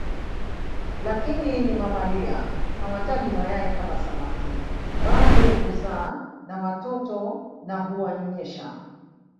Lakini ni mamalia hawatagi mayai kama samaki bali huzaa na watoto na huwanyonyesha